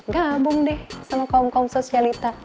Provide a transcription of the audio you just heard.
gabung deh sama kaum kaum sosialita